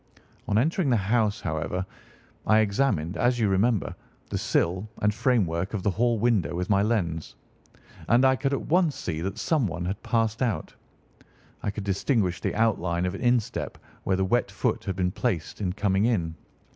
"On entering the house, however, I examined, as you remember, the sill and framework of the hall window with my lens, and I could at once see that someone had passed out. I could distinguish the outline of an instep where the wet foot had been placed in coming in.